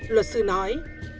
luật sư nói